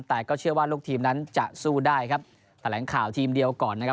แต่ก็เชื่อว่าลูกทีมนั้นจะสู้ได้ครับแถลงข่าวทีมเดียวก่อนนะครับ